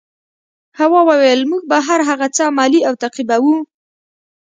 هوا وویل موږ به هر هغه څه عملي او تعقیبوو.